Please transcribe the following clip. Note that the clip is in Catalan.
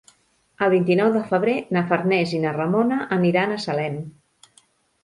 El vint-i-nou de febrer na Farners i na Ramona aniran a Salem.